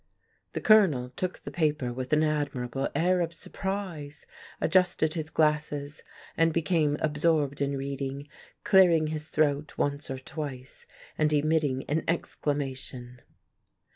The Colonel took the paper with an admirable air of surprise, adjusted his glasses, and became absorbed in reading, clearing his throat once or twice and emitting an exclamation.